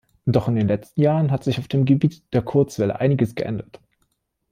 Doch in den letzten Jahren hat sich auf dem Gebiet der Kurzwelle einiges geändert.